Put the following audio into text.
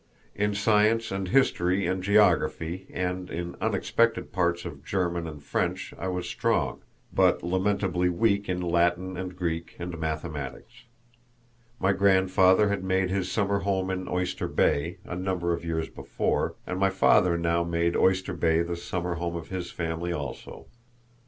In science and history and geography and in unexpected parts of German and French I was strong, but lamentably weak in Latin and Greek and mathematics. My grandfather had made his summer home in Oyster Bay a number of years before, and my father now made Oyster Bay the summer home of his family also.